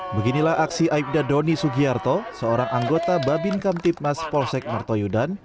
beginilah aksi aibda doni sugiarto seorang anggota babin kamtipmas polsek mertoyudan